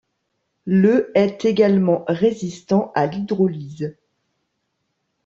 Le est également résistant à l'hydrolyse.